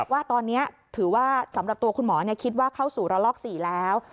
ว่าตอนนี้ถือว่าสำหรับตัวคุณหมอคิดว่าเข้าสู่ระลอก๔แล้ว